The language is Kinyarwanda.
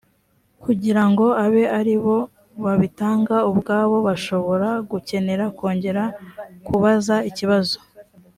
kugira ngo abe ari bo babitanga ubwabo bashobora gukenera kongera kubaza ikibazo